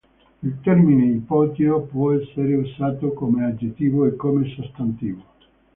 Il termine "ipogeo" può essere usato come aggettivo e come sostantivo.